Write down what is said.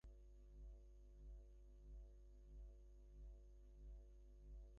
তবে রাত সোয়া একটার দিকে কারখানার পশ্চিম দিক থেকে হঠাৎ আগুন বাড়তে থাকে।